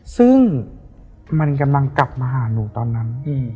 ซึ่งมันกำลังกลับมาหาหนูตอนนั้น